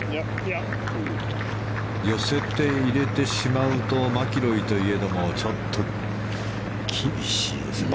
寄せて入れてしまうとマキロイといえどもちょっと厳しいですかね。